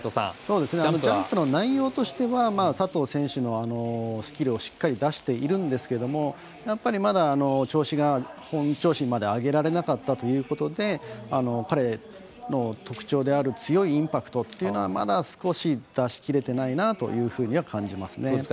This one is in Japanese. ジャンプの内容としては佐藤選手のスキルをしっかり出しているんですがやっぱりまだ調子が本調子まで上げられなかったということで彼の特徴である強いインパクトというのはまだ、少し出しきれてないなというふうには感じますね。